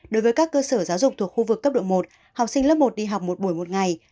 đối với các cơ sở giáo dục thuộc khu vực cấp độ một học sinh lớp một đi học một buổi một ngày